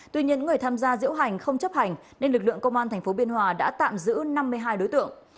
tuy nhiên người tham gia diễu hành không chấp hành nên lực lượng công an tp biên hòa đã tạm giữ năm mươi hai đối tượng